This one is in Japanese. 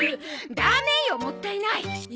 ダメよもったいない。